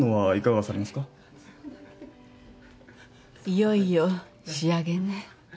いよいよ仕上げね。